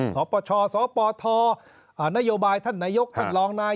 ในสฤพเชาะสฤพทอแนโยบายท่านนายกท่านลองนายก